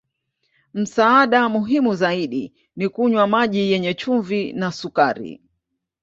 Msaada muhimu zaidi ni kunywa maji yenye chumvi na sukari.